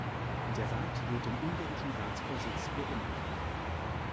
Der Rat wird den ungarischen Ratsvorsitz beenden.